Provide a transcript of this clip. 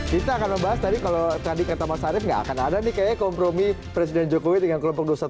kita akan membahas tadi kalau tadi kata mas arief nggak akan ada nih kayaknya kompromi presiden jokowi dengan kelompok dua ratus dua belas